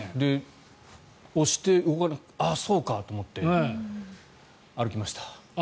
押して、動かなくてああ、そうかと思って歩きました。